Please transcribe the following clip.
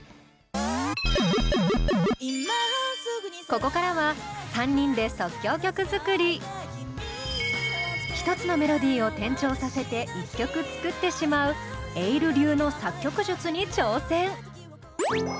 ここからは１つのメロディーを転調させて１曲作ってしまうｅｉｌｌ流の作曲術に挑戦！